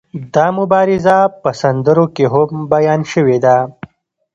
دا مبارزه په سندرو کې هم بیان شوې ده.